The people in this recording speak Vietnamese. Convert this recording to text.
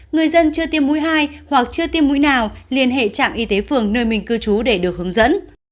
người dân chưa tiêm mũi hai hoặc chưa tiêm mũi nào liên hệ trạm y tế phường nơi mình cư trú để được hướng dẫn